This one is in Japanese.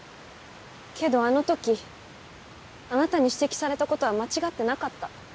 けどあの時あなたに指摘された事は間違ってなかった。